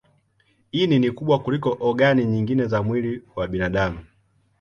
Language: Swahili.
Ini ni kubwa kuliko ogani nyingine za mwili wa binadamu.